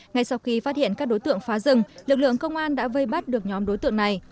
ngay sau khi phát hiện các đối tượng phá rừng lực lượng công an đã vây bắt được nhóm đối tượng này